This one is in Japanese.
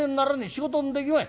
仕事もできまい。